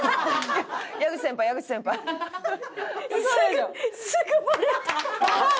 すぐすぐバレた。